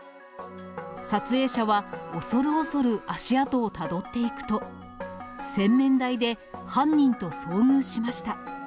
撮影者は、恐る恐る足跡をたどっていくと、洗面台で犯人と遭遇しました。